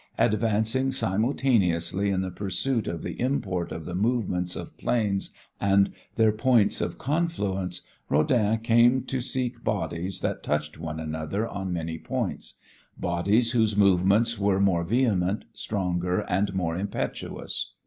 Advancing simultaneously in the pursuit of the import of the movements of planes and their points of confluence Rodin came to seek bodies that touched one another on many points, bodies whose movements were more vehement, stronger and more impetuous.